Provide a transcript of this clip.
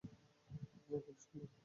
হ্যাঁ, খুব সুন্দর।